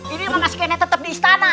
ini mana skannya tetap di istana tuh